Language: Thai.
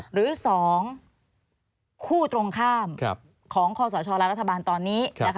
หรือ๒คู่ตรงข้ามของคศและรัฐบาลตอนนี้